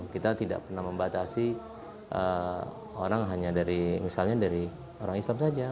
kita tidak pernah membatasi orang hanya dari misalnya dari orang islam saja